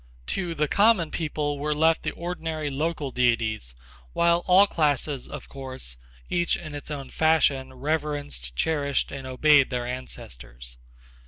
To the common people were left the ordinary local deities, while all classes, of course, each in its own fashion reverenced, cherished and obeyed their ancestors.